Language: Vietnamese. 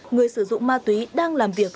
người sử dụng ma túy đang làm việc